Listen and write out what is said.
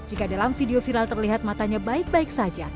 jika dalam video viral terlihat matanya baik baik saja